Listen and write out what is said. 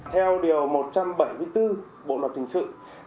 theo điều một trăm bảy mươi bốn bộ luật hình sự